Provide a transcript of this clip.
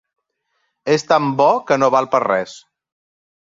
És tan bo que no val per res.